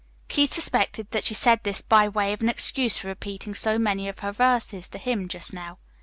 Keith suspected that she said this by way of an excuse for repeating so many of her verses to him just now.